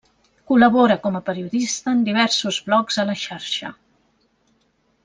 Col·labora com a periodista en diversos blogs a la Xarxa.